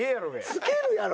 付けるやろ！